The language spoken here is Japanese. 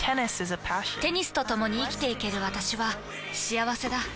テニスとともに生きていける私は幸せだ。